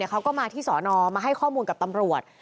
เขาก็มาที่สอนอมาให้ข้อมูลกับตำรวจ